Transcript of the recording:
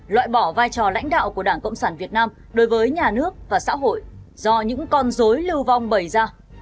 loại bỏ vai trò lãnh đạo của đảng cộng sản việt nam đối với nhà nước và xã hội do những con dối lưu vong bầy ra